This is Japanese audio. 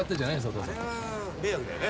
迷惑だよね。